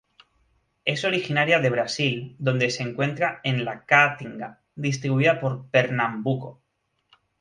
Es originaria de Brasil donde se encuentra en la Caatinga, distribuida por Pernambuco.